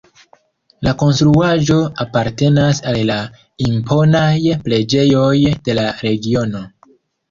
La konstruaĵo apartenas al la imponaj preĝejoj de la regiono.